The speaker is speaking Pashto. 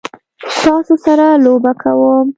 تاسو سره لوبه کوم؟